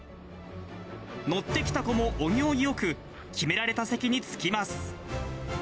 乗ってきた子もお行儀よく、決められた席に着きます。